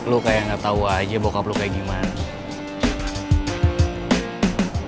lu kayak gak tau aja bokap lo kayak gimana